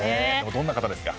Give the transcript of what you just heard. どんな方ですか？